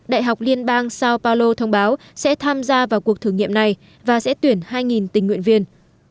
đại học liên bang sao paulo thông báo sẽ tham gia vào cuộc thử nghiệm này và sẽ tuyển hai tình nguyện viên